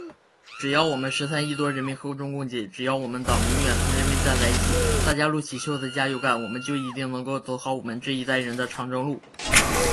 只要我们十三亿多人民和衷共济，只要我们党永远同人民站在一起，大家撸起袖子加油干，我们就一定能够走好我们这一代人的长征路。